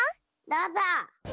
どうぞ！